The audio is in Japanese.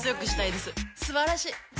すばらしい！